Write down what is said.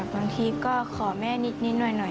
บางทีก็ขอแม่นิดหน่อย